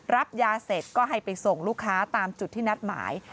รับยาเสร็จก็ให้ไปส่งลูกค้าตามจุดที่นัดหมาย